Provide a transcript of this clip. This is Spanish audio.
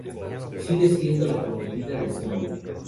Sigue siendo la prometida de Snow.